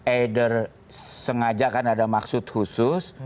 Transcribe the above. either sengaja kan ada maksud khusus